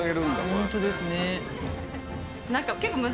本当ですね。